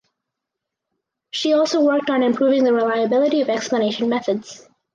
She also worked on improving the reliability of explanation methods.